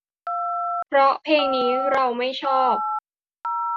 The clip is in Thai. เพราะเพลงนี้เราไม่ชอบ